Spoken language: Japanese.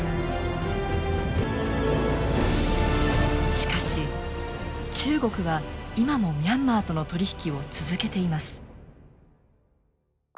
しかし中国は今もミャンマーとの取り引きを続けています。